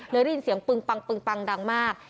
ได้ยินเสียงปึงปังดังมาก